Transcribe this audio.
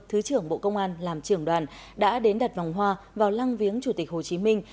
thứ trưởng bộ công an làm trưởng đoàn đã đến đặt vòng hoa vào lăng viếng chủ tịch hồ chí minh